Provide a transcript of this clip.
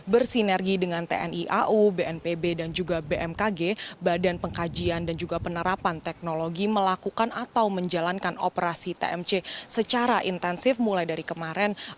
bersinergi dengan tni au bnpb dan juga bmkg badan pengkajian dan juga penerapan teknologi melakukan atau menjalankan operasi tmc secara intensif mulai dari kemarin